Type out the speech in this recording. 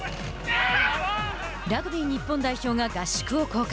ラグビー日本代表が合宿を公開。